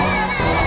nggak nggak kena